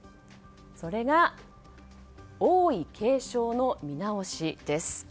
それが、王位継承の見直しです。